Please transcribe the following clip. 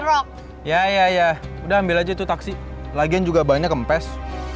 rok ya ya udah ambil aja tuh taksi lagian juga banyak kempes